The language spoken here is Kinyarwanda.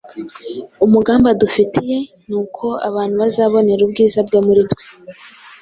Umugambi adufitiye ni uko abantu bazabonera ubwiza bwe muri twe.